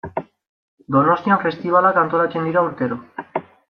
Donostian festibalak antolatzen dira urtero.